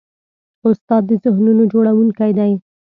استاد د ذهنونو جوړوونکی دی.